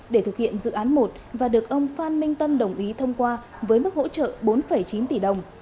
để thực hiện dự án một và được ông phan minh tân đồng ý thông qua với mức hỗ trợ bốn chín tỷ đồng